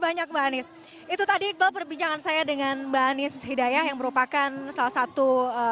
banyak mbak anies itu tadi iqbal perbincangan saya dengan mbak anies hidayah yang merupakan salah satu